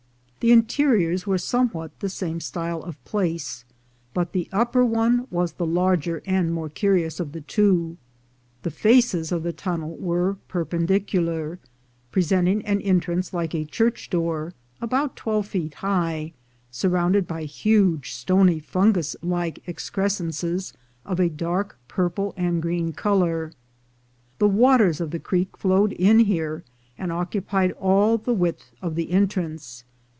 The interiors were somewhat the same style of place, but the upper one was the larger and more curious of the two. The faces of the tunnel were perpen dicular, presenting an entrance like a church door, about twelve feet high, surrounded by huge stony fungus like excrescences, of a dark purple and green color. The waters of the creek flowed in here, and occupied all the width of the entrance.